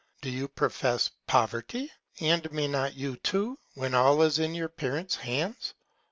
Do you profess Poverty? And may not you too, when all is in your Parents Hands?